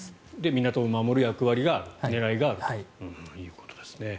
港を守る役割、狙いがあるということですね。